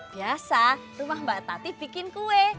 biasa rumah mbak tati bikin kue